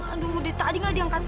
aduh tadi nggak diangkat